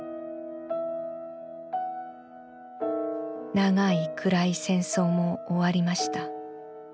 「長い暗い戦争も終りました。